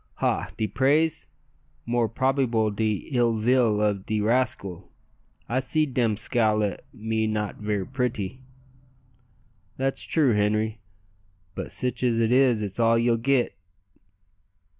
"Ha! de praise? more probeebale de ill vill of de rascale. I seed dem scowl at me not ver' pritty." "That's true, Henri; but sich as it is it's all ye'll git."